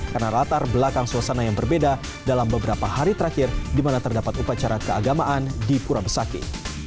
karena latar belakang suasana yang berbeda dalam beberapa hari terakhir di mana terdapat upacara keagamaan di kura besaki